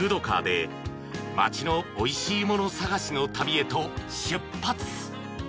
カーで町のおいしいもの探しの旅へと出発］